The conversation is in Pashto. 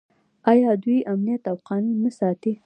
آیا دوی امنیت او قانون نه ساتي؟